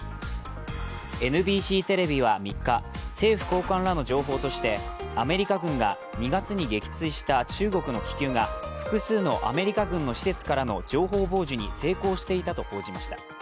ＮＢＣテレビは３日、政府高官らの情報としてアメリカ軍が２月に撃墜した中国の気球が複数のアメリカ軍の施設からの情報傍受に成功していたと報じました。